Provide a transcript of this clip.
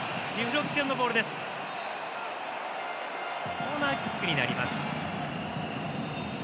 コーナーキックになります。